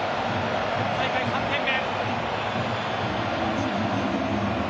今大会３点目。